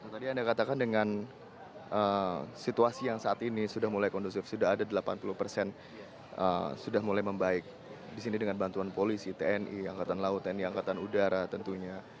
tadi anda katakan dengan situasi yang saat ini sudah mulai kondusif sudah ada delapan puluh persen sudah mulai membaik di sini dengan bantuan polisi tni angkatan laut tni angkatan udara tentunya